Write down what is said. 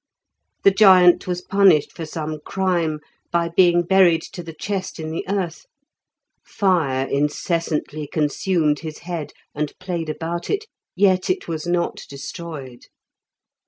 The giant was punished for some crime by being buried to the chest in the earth; fire incessantly consumed his head and played about it, yet it was not destroyed.